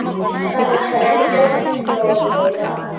განვითარებულია სოფლის მეურნეობა.